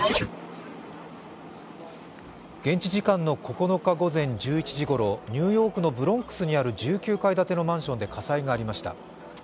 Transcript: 現地時間の９日午前１１時ごろニューヨーク・ブロンクスにある１９階建てのマンションで火災がありました。